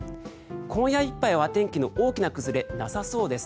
今夜いっぱいは天気の大きな崩れはなさそうです。